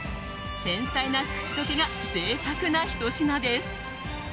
繊細な口溶けが贅沢なひと品です。